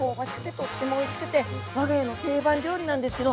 とってもおいしくてわが家の定番料理なんですけど。